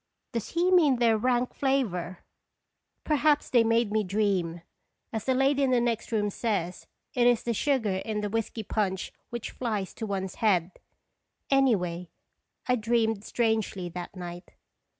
Does he mean their rank flavor?" Seconb Carb toins." 251 Perhaps they made me dream, as the lady in the next room says it is the sugar in the whisky punch which flies to one's head ; any way, I dreamed strangely that night.